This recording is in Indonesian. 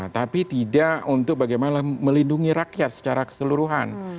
tapi tidak untuk bagaimana melindungi rakyat secara keseluruhan